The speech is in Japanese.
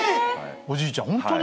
おじいちゃんホントに？